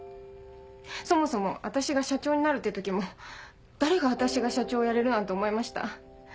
そもそも私が社長になるって時も誰が私が社長をやれるなんて思いました？